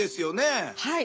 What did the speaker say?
はい。